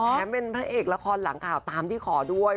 เป็นพระเอกละครหลังข่าวตามที่ขอด้วย